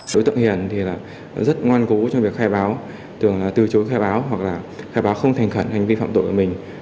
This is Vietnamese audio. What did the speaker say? đối tượng hiền thì rất ngoan cố trong việc khai báo thường là từ chối khai báo hoặc là khai báo không thành khẩn hành hành vi phạm tội của mình